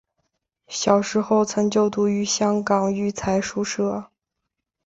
小时候曾就读于香港育才书社。